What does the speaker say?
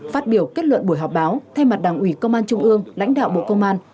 phát biểu kết luận buổi họp báo thay mặt đảng ủy công an trung ương lãnh đạo bộ công an